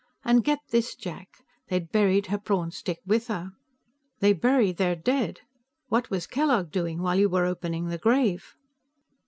And get this Jack; they'd buried her prawn stick with her." "They bury their dead! What was Kellogg doing, while you were opening the grave?"